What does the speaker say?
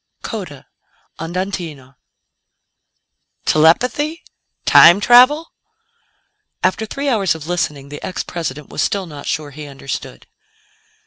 CODA ANDANTINO "Telepathy? Time travel?" After three hours of listening, the ex President was still not sure he understood.